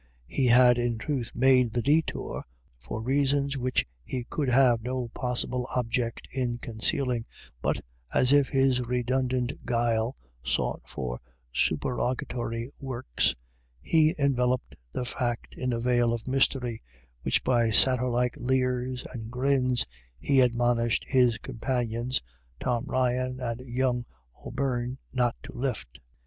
He had in truth made the d/tour for reasons which he could have no possible object in concealing, but, as if his redundant guile sought for supererogatory works, he enveloped the fact in a veil of mystery, which by satyr like leers and grins he admonished his companions, Tom Ryan and young O'Beirne, not to lift.